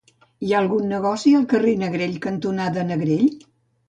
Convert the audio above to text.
Hi ha algun negoci al carrer Negrell cantonada Negrell?